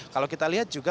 kalau kita lihat juga